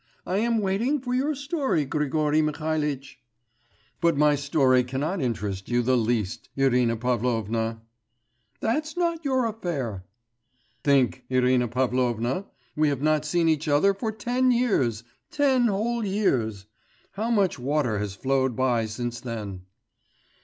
I am waiting for your story, Grigory Mihalitch.' 'But my story cannot interest you the least, Irina Pavlovna.' 'That's not your affair.' 'Think, Irina Pavlovna, we have not seen each other for ten years, ten whole years. How much water has flowed by since then.